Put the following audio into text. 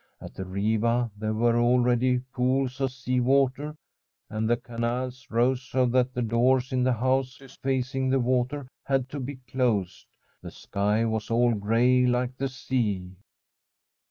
At the Riva there were al ready pools of sea water, and the canals rose so that the doors in the houses facing the water had to be closed. The sky was all gray like the sea.